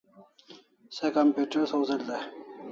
Se computer sawzel dai